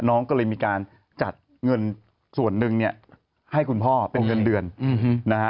น้องก็เลยมีการจัดเงินส่วนหนึ่งเนี่ยให้คุณพ่อเป็นเงินเดือนนะฮะ